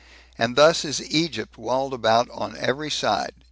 And thus is Egypt walled about on every side.